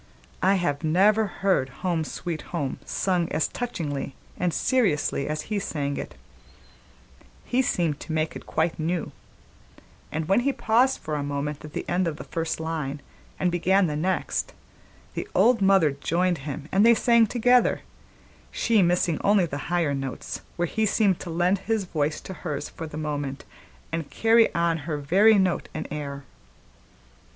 I have never heard Home, Sweet Home sung as touchingly and seriously as he sang it; he seemed to make it quite new; and when he paused for a moment at the end of the first line and began the next, the old mother joined him and they sang together, she missing only the higher notes, where he seemed to lend his voice to hers for the moment and carry on her very note and air.